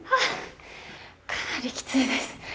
かなりきついです。